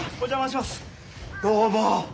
どうも。